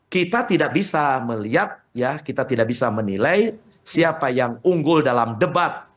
kita tidak bisa melihat ya kita tidak bisa menilai siapa yang unggul dalam debat